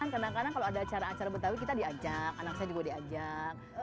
kadang kadang kalau ada acara acara betawi kita diajak anak saya juga diajak